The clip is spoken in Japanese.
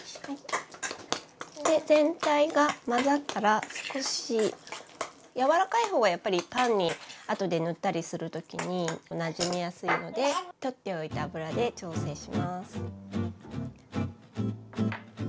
全体が混ざったら少しやわらかい方がやっぱりパンにあとで塗ったりする時になじみやすいのでとっておいた油で調整します。